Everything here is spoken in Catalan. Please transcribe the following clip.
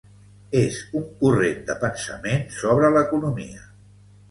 És un corrent de pensament sobre l'economia.